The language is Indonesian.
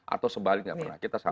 atau sebaliknya nggak pernah kita sama